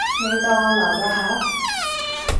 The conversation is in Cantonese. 你當我流架吓